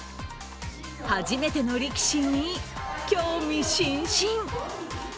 初めての力士に興味津々。